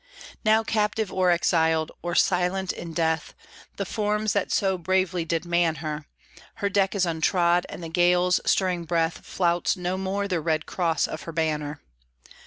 Now captive or exiled, or silent in death, The forms that so bravely did man her; Her deck is untrod, and the gale's stirring breath Flouts no more the red cross of her banner!